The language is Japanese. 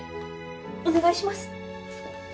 お願いします。